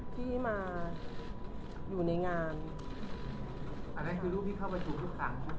ที่มาอยู่ในงานอันนั้นคือรูปที่เข้าประชุมทุกครั้ง